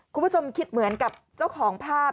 คุณผู้ชมคิดเหมือนกับเจ้าของภาพ